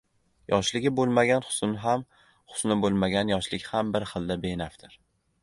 Yoshligi bo‘lmagan husn ham, husni bo‘lmagan yoshlik ham bir xilda benafdir.